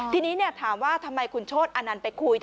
ทีนี้เนี่ยถามว่าทำไมคุณโชษอนันทร์ไปคุย